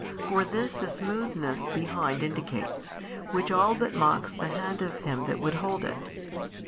For this the smoothness behind indicates, which all but mocks the hand of him that would hold it.